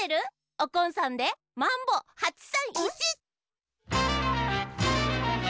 おこんさんで「マンボ８３１」！